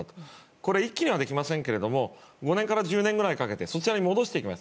これ、一気にはできませんけども５年から１０年ぐらいかけてそちらに戻していきます。